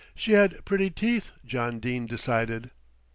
She had pretty teeth, John Dene decided.